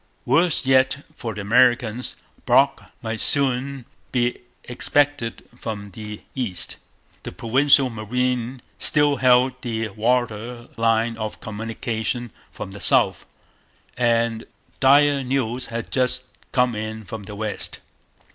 Worse yet for the Americans, Brock might soon be expected from the east; the Provincial Marine still held the water line of communication from the south; and dire news had just come in from the west.